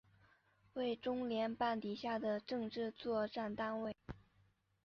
为中联办底下的政治作战单位。